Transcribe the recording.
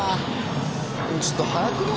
ちょっと早くね？